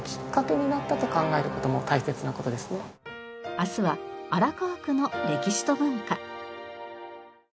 明日は荒川区の歴史と文化。